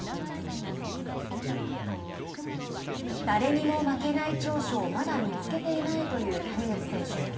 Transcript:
誰にも負けない長所をまだ見つけていないという谷口選手。